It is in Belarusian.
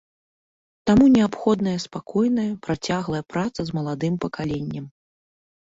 Таму неабходная спакойная, працяглая праца з маладым пакаленнем.